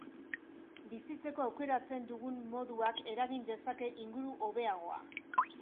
Bizitzeko aukeratzen dugun moduak eragin dezake inguru hobeagoa.